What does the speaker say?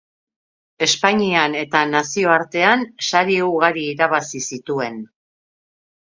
Espainian eta nazioartean sari ugari irabazi zituen.